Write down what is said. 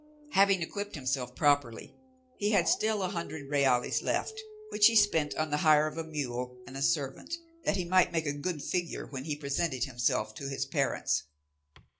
Having equipped himself properly, he had still a hundred reals left, which he spent on the hire of a mule and a servant, that he might make a good figure when he presented himself to his parents.